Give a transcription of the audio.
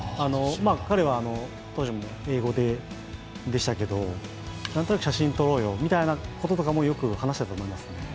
彼は当時も英語でしたけど、何となく写真撮ろうよということも話していたと思います。